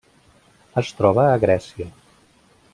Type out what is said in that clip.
Es troba a Grècia.